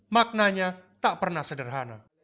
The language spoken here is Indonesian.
maknanya tak pernah sederhana